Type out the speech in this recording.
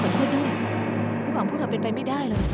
ขอโทษนะพวกเราเป็นไปไม่ได้เลย